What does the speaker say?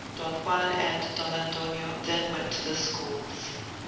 Don Juan and Don Antonio then went to the Schools.